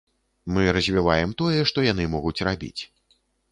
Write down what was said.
Мы развіваем тое, што яны могуць рабіць.